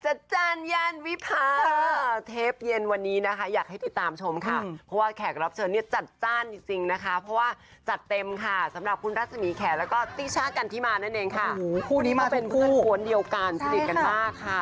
จัดจ้านย่านวิพาเทปเย็นวันนี้นะคะอยากให้ติดตามชมค่ะเพราะว่าแขกรับเชิญเนี่ยจัดจ้านจริงจริงนะคะเพราะว่าจัดเต็มค่ะสำหรับคุณรัศมีแขกแล้วก็ตี้ช่ากันที่มานั่นเองค่ะคู่นี้มาเป็นคู่กวนเดียวกันสนิทกันมากค่ะ